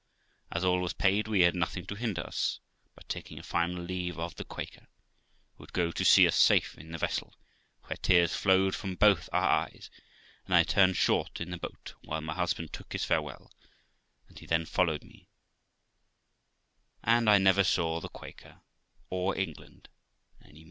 As all was paid, we had nothing to hinder us but taking a final leave of the Quaker, who would go to see us safe in the vessel, where tears flowed from both our eyes; and I turned short in the boat, while my husband took his farewell, and he then followed me, and I never saw the Quaker or England any more.